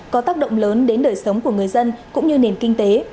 có tác động lớn đến đời sống của người dân cũng như nền kinh tế